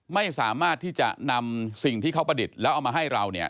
ไม่สามารถที่จะนำสิ่งที่เขาประดิษฐ์แล้วเอามาให้เราเนี่ย